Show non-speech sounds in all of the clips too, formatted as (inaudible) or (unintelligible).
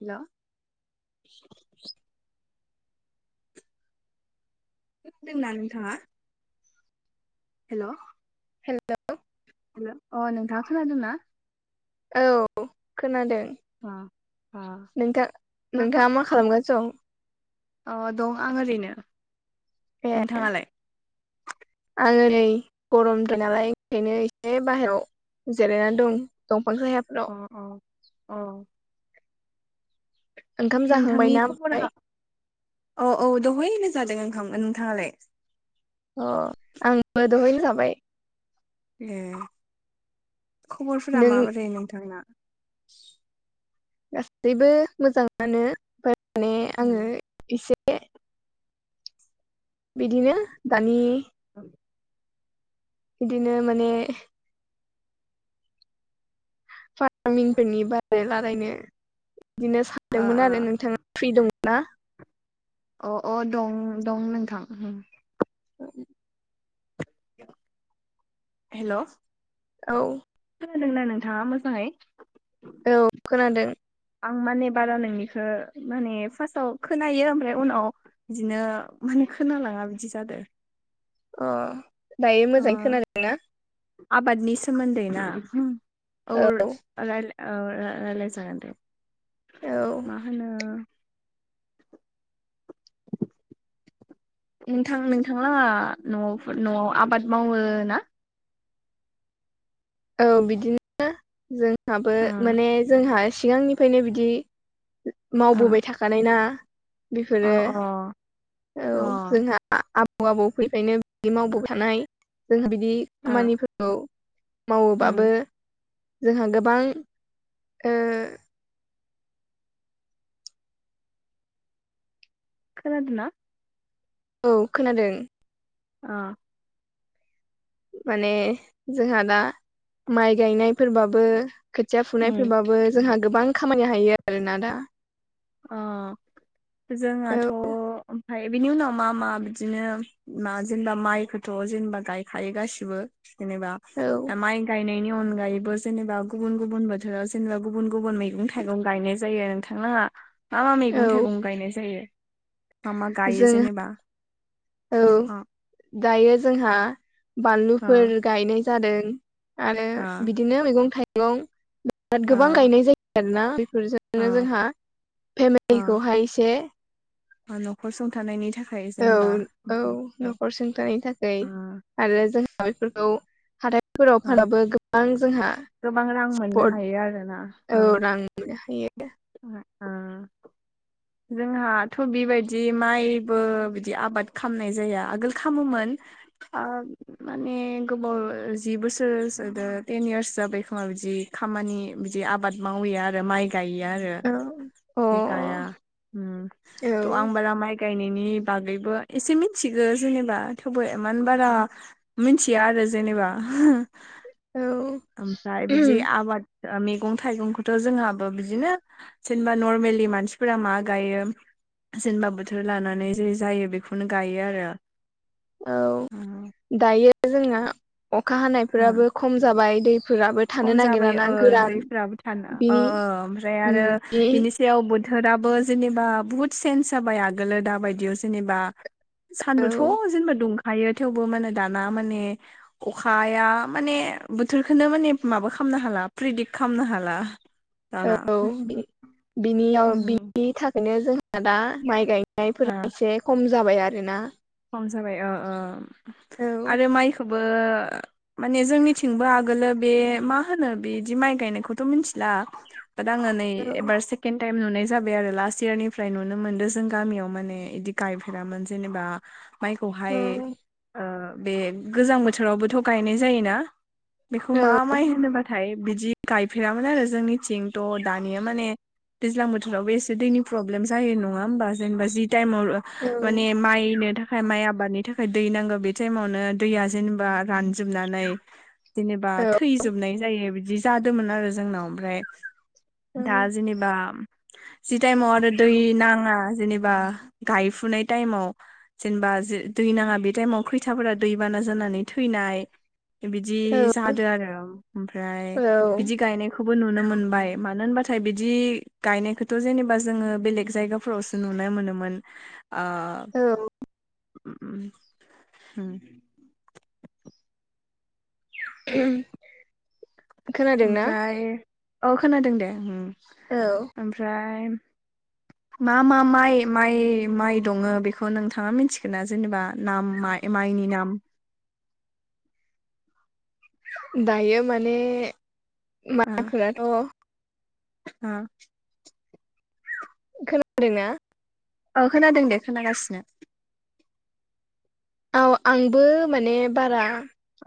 Hello दोंना नोंथाङा? Hello hello hello अ नोंथाङा खोनादों ना? औ खोनादों। अ अ मा खा खालामगासिन दं। अ दं आं ओरैनो। दं ए नोंथाङालाय? आङो नै गरमदों नालाय ओंखायनो एसे बाहेरायाव जिरायनानै दं दंफां सायाफोराव अ अ अ ओंखाम नोंथांनि जाखांबायना ओमफ्राय खबरहा, अ औ दहायनो जादों ओंखाम, नोंथाङालाय? अ आंबो दहैनो जाबाय। ए खबरफोरा नों माबोरै नोंथांना? गासैबो मोजाङानो। ओमफ्राय माने आङो औ एसे बिदिनो दानि औ बिदिनो माने फार्मिंफोरनि बारै रायलायनो बिदिनो अ सानदोंमोन आरो नोंथाङा फ्रि दं ना? अ अ दं दं नोंथां औ हेलौ औ खोनादोंना नोंथाङा मोजाङै औ खोनादों आं माने बारा नोंनिखो माने फार्स्टआव खोनायो ओमफ्राय उनाव बिदिनो माने खोनालाङा बिदि जादों अ दायो मोजाङै ओ खोनादों ना? आबादनि सोमोन्दै ना औ रायलाय ओ रायलाय जागोन दे औ मा होनो नोंथां नोंथांला न'आवफोर न'आव आबाद मावो ना? औ बिदिनो जोंहाबो अ माने जोंहा सिगांनिफ्रायनो बिदि अ मावबोबाय थाखानाय ना अ बिफोरो अ अ औ ओ जोंहा आबौ आबौ फोरनिफायनो बि मावबोखानाय जोंहा बिदि खामानिफोरखौ उम मावोबाबो जोंहा गोबां‌ ओ खोनादों ना? औ खोनादों अ माने जोंहा दा माइ गायनायफोरबाबो खोथिया उम फुनायफोरबाबो जोंहा गोबां खामानिनो हायो आरोना दा अ जोंहाथ' औ ओमफ्राय बिनि उनाव मा मा बिदिनो मा जेनेबा माइखौथ' जेनेबा गायखायो गासिबो जेनेबा औ माइ गायनायनि अनगायैबो जेनेबा गुबुन गुबुन बोथोराव जेनेबा गुबुन गुबुन मैगं थाइगं गायनाय जायो आरो नोंथा थांलाङा मा मा औ मैगं थाइगं गायनाय जायो? मा मा गायो जेनेबा जोंहा औ अ दायो जोंहा अ बानलुफोर गायनाय जादों आरो अ बिदिनो मैगं थाइगं राद गोबां अ गायनाय जायो आरोना अ बेफोरजोंनो जोंहा अ फेमिलिखौहाय एसे न'खर संथानायनि थाखाय औ जेनेबा औ अ न'खर सुंथानायनि थाखै आरो जोंहा बेफोरखौ हाथाय फोराव अ फाननाबो गोबां जोंहा गोबां रां मोननो सापर्ट हायो आरोना ओ औ रां मोननो हायो ओ (inaudible) जोंहाथ' बिदि माइबो बिदि आबाद खालामामनाय जाया आगोल खामोमोन आ माने गोबाव जि बोसोरोदो टेन इयार्स जाबाय खोमा बिदि खामानि बिदि आबाद मावैया आरो माइ गायिआ आरो जे गाया औ उम अ त आं बारा माइ गायनायनि बागैबो एसे मिथिगौ जेनेबा थेवबो एमान बारा मिनथिया आरो जेनेबा औ ओमफाय बिदि आबाद ओ मेगं थाइगंखोथ' जोंहाबो बिदिनो जेनबा नर्मेलि मानसिफोरा मा गायो जेनेबा बोथोर लानानै जे जायो बेखौनो गायो आरो औ ओम दायो जोङो अखा हानायफोराबो खम जाबाय दैफोराबो थानो खम जाबाय ओ नागिराना गोरान दैफोराबो थानो बिनि ओमफ्राय आरो उम बे बिनि सायाव बो थोराबो जेनेबा बुहुत सेन्स जाबाय आगोलो दाबायदियाव जेनेबा औ सान्दुथ' जेनेबा दुं खायो थेवबो माने दाना माने अखाया माने बोथोरखोनो माने माबा खालामनो हाला प्रेदिक्ट खालामनो हाला दाना। औ बिनियाव उम बिनि थाखायनो जोंहा दा माइ गायनाय ओ। से खम जाबाय आरोना। खम जाबाय ओ ओ औ आरो माइखोबो माने जोंनिथिंबो आगोलो बे मा होनो बिदि माइ गायनायखौथ' मिथिला। बाद आङो नै औ एबार से सेकेण्ड टाइम नुनाय जाबाय आरो लास्ट इयारनिफ्राय नुनो मोनदों जों गामियाव माने इदि गायफेरामोन जेनेबा माइखौहाय औ ओ बे गोजां बोथोरावबोथ' गायनाय जायोना। बेखौ औ मा माइ होनोबाथाय बिदि गायफेरामोन आरो जोंनिथिं थ' दानिया माने दैज्लां बोथोरावबो एसे दैनि प्रब्लेम जायो नंङा होमबा? जेनेबा जि टाइमाव औ माने माइनो थाखाय माइ आबादनि थाखाय दै नांगौ बे टाइमावनो दैया जेनेबा रान जोबनानै जेनेबा औ थैजोबनाय जायो बिदि जादोंमोन आरो जोंनाव ओमफ्राय दा जेने बा जि टाइमाव आरो दै नाङा जेनेबा गायफुनाय टाइमाव जेनेबा जे दै नाङा बे टाइमाव खैथाफोरा दैबाना जानानै थैनाय। बिदि जादों आरो। ओमफ्राय औ बिदि गायनाय खौबो नुनो मोनबाय मानो होनबाथाय बिदि गायनायखौथ' जेनेबा जोङो बेलेग जायगा फ्रावसो नुनाय मोनोमोन आ औ होम। (inaudible) खोनादोंना ओमफ्राय औ खोनादों दे ओम। औ। ओमफ्राय मा मा माइ माइ माइ दङो बेखौ नोंथाङा मिथिगोना जेनेबा नाम मा-माइनि नाम। दायो माने माइफोराथ' हा? खोनादोंना? औ खोनादों दे खोनागासिनो। औ आंबो माने बारा (unintelligible)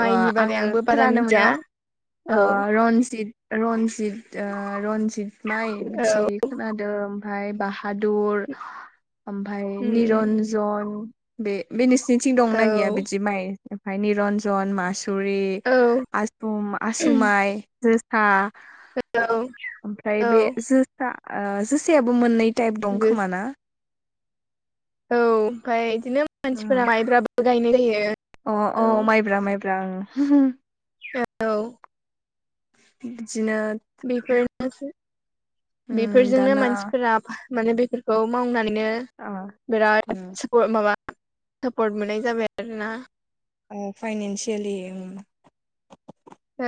माइनि बारै आंबो बारा खोनानो मिथिया मोननायाव आ औ रनजित, रन्जित ओ रन्जित माइ औ बिदि खोनादो ओमफाय बाहादुर ओमफ्राय उम निरन जन बे बे नोंसनिथि दंना औ गैया बिदि माइ फाय निरन्जन, मासुरिु, औ आसु माइ, जो हा हेलौ! ओमफ्राय बे जोसा आ जोसायाबो मोननै टाइप दं औ खोम ना? औ ओमफ्राय बिदिनो मानसिफोरा माइब्राबो गायनाय जायो। अ अ माइब्रा माइब्रा ओं। औ बिदिनो बेफोरनोसै उम बेफोरजोंनो दाना मानसिफोरा माने बेफोर खौ मावनानैनो ओ उम बिराद सा माबा सापर्ट मोननाय जाबाय आरोना। अ फायनेनसियेलि ओम औ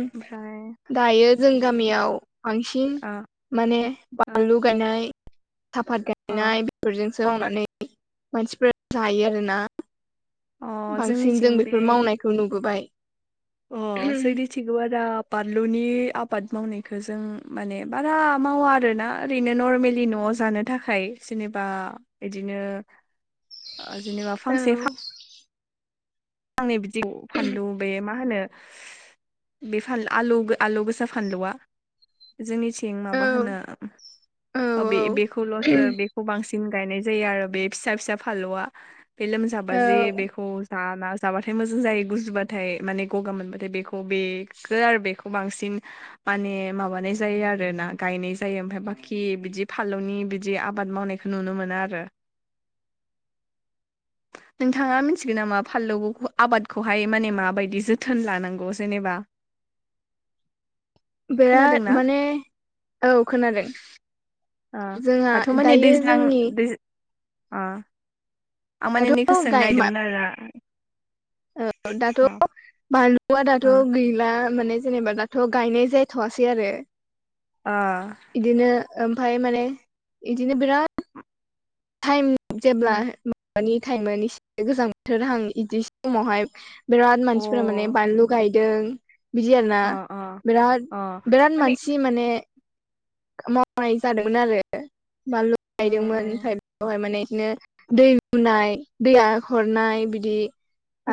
ओमफ्राय दायो जों गामियाव बांसिन ओ माने ओ बानलु गायनाय साफात अ गायनाय बेफोरजोंसो मावनानै मानसिफोरा जायो आरो ना। अ बांसिन जोंनिथिं जों बे बेफोर मावनायखौ नुबोबाय अ सिरि मिथिगौ आरो बानलुनि आबाद मावनायखौ जों माने बारा मावा आरोना ओरैनो नरमेलि न'आव जानो थाखाय जेनेबा बिदिनो ओ जेनेबा औ फांसे फां नै बिदि फानलु बे मा होनो बे फान आलौ आलौ गोसा फानलुआ जोंनिथिं औ माबा होनो ओ औ औ बे-बेखौल'सो बे खौ बांसिन गायनाय जायो आरो बे फिसा फिसा फानलुआ बे लोमजाबा जे औ बेखौ जाना जाबाथाय मोजां जायो गुजुबाथाय माने गगा मोनबाथाय बेखौ बेखौ आरो बेखौ बांसिन माने माबानाय जायो आरोना गायनाय जायो ओमफ्राय बाखि बिदि फानलौनि बिदि आबाद मावनाय नुनो मोनो आरो नोंथाङा मिथिगोन नामा फानलु आबादखौहाय माने माबायदि जोथोन लानांगौ जेनेबा बिराद खोनादोंना माने औ खोनादों अह जोंहा दाथ' माने दायो दैज्लां जोंनि दै अ आं माने नै इखौसो दाथ' सोंनो नागिरदोंमोन आरो औ दाथ' बानलुआ दाथ' ओ गैला माने जेनेबा दा थ' गायनाय जाथ'आसै आरो आ बिदिनो ओमफ्राय माने इदिनो बिराद टाइम उम जेब्ला माबानि टाइमानो एसे गोजां बोथोर हां बिदि समावहाय बिराद अ मानसिफोरा माने बानलु गायदों। बिदि आरोना अ अ बिराद अ बिराद माने मानसि माने मावनाय जादोंमोन आरो। बानलु गायदोंमोन ओमफ्राय बेवहाय माने बिदिनो दै लुनाय दैया हरनाय बिदि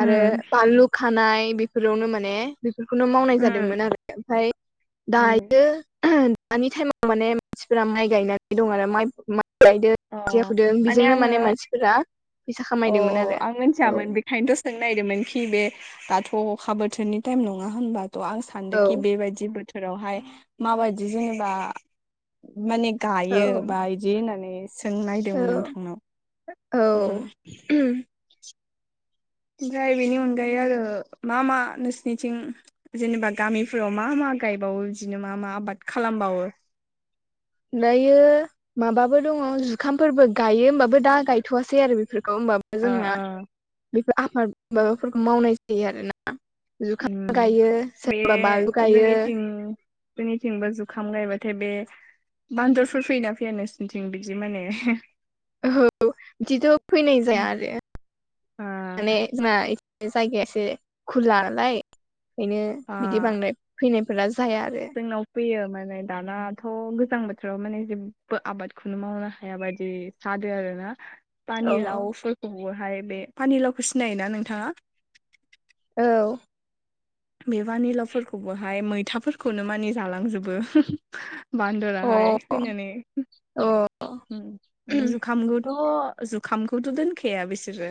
आरो बानलु खानाय बेफोरावनो माने बेफोरखौनो मावनाय उम जादोंमोन आरो ओमफ्राय उम दायो दानि टाइमाव माने मानसिफोरा माइ गायनानै दं आरो माइ गायदों अ हुदों बेजोंनो माने मानसिफोरा फैसा खामायदोंमोन आरो औ ओंखायनोथ' सों नायिरदोंमोन खि बे दाथ' अखा बोथोरनि टाइम नङा होनबाथ' आं सा औ न्दोंखि बेबायदि बोथोरावहाय माबायदि जेनेबा माने औ गायो औ बा बिदि होननानै सोंनो नायदोंमोन नोंथांनाव (inaudible) उ ओमफ्राय बेनि अनगायै आरो मा मा नोंसनिथिं जेनेबा गामिफोराव मा मा गायबावो बिदिनो मा मा आबाद खालामबावो दायो माबाबो दङ जुखामफोरबो गायो होमबाबो दा गायथ'वासै आरो बेफोरखौ होमबा बो ओ जोंहा ओ बेफोर आफाद माबाफोरखौ मावनाय गायो आरोना जुखाम उम गायो सोरबा बानलु गायो। जोंनि थिंबो जुखाम गायबाथाय बे बान्दरफोर फैयोना फैया नोंसोरनिथिं बिदि माने औ बिदिथ' फैनाय ओ जाया आरो माने जोंना जायगाया एसे खुला नालाय ओंखायनो ओ बिदि बांद्राय फैनायफोरा जाया आरो जोंनाव फैयो माने दानाथ' गोजां बोथोराव माने जेबो आबादखौनो मावनो हाया बायदि फानो आरोना अ पानिलावफोरखौबोहाय बे पानिलावखौ सिनायोना नोंथाङा? औ बे बानिलाव फोरखौबोहाय मैथाफोरखौनो मानि जालां जोबो। बान्दराहाय औ फैनानै अ जुखामगोन थ' जुखामखौथ' दोनखाया बिसोरो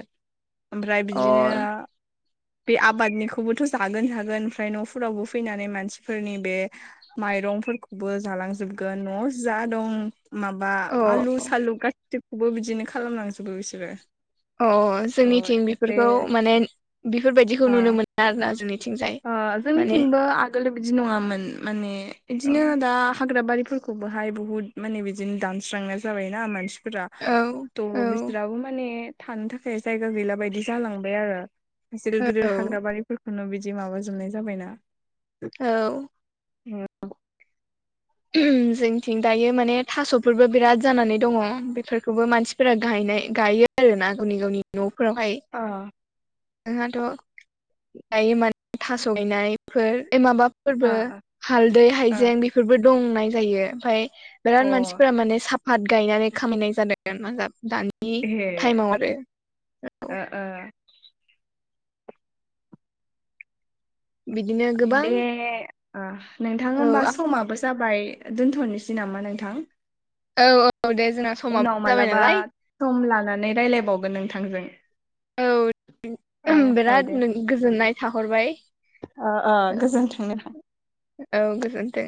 ओमफ्राय अ बिदिनो बे आबादनिखौबोथ' जागोन जागोन ओमफ्राय न'फोरावबो फैनानै मानसिफोरनि बे माइरंफोरखौबो जालांजोबगोन न'आव जा दं माबा अ आलु सालु गासिखौबो बिदिनो खालामलांजोबो बिसोरो अह जोंनिथिं थ' एसे बेफोरखौ माने बेफोरबादिखौ ओ नुनो मोनो आरोना जोंनि ओ जोंनिथिंबो आगोल बिदि नङामोन माने औ बिदिनो दा हाग्राबारिफोर खौबोहाय बहुत माने बिदिनो दानस्रांनाय जाबायना मानसि रा औ औ थ' बिसोराबो माने थानो थाखाय जायगा गैला बायदि जालांबाय आरो गिदिर गिदिर हाग्रा बारिफोरखौनो बिदि बिदि माबा जोबनाय जाबायना। औ जोंथिं दायो माने थास'फोरबो बिराद जानानै दङ बेफोरखौबो मानसिफोरा गायनाय गायो। आरो ना गावनि गावनि न'फोरावहाय। अ जोंहाथ' गायो माने थास' गायनायफोर माबा फोरबो ओ ओ हालदै अ हाइजें बेफोरबो दंनाय जायो ओमफ्राय बिराद मानसिफोरा माने साफात गायनानै खामायनाय जादों दानि ए टाइमाव आरो ओ ओ बिदिनो गोबां दे नोंथां औ होमबा समाबो जाबाय दोनथ'नोसै नामा नोंथां? औ औ दे जोंना समाबो उनाव जाबाय मालाबा नालाय सम लानानै रायलायबावगोन नोंथांजों। औ औ बिराद गोजोननाय थाहरबाय अ अ औ गोजोनथों नोंथां। औ गोजोन्थों